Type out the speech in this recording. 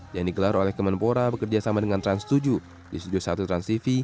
yang digelar oleh kemenpora bekerja sama dengan trans tujuh di studio satu transtv